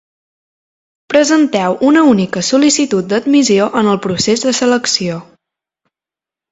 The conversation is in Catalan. Presenteu una única sol·licitud d'admissió en el procés de selecció.